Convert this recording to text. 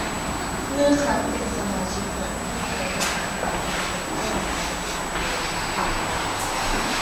เมื่อครั้งเป็นสมาชิกหน่วยกู้ภัยทหารทางเฮลิคอปเตอร์ในสงครามยมคิปปูร์